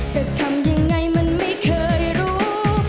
แต่ทำยังไงมันไม่เคยรู้